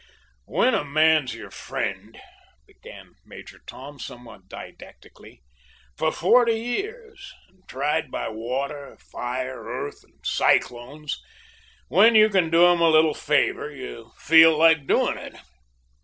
"When a man's your friend," began Major Tom, somewhat didactically, "for forty years, and tried by water, fire, earth, and cyclones, when you can do him a little favour you feel like doing it."